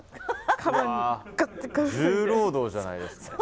重労働じゃないですか。